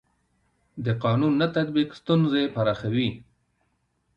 د قانون نه تطبیق ستونزې پراخوي